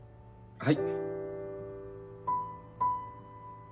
はい。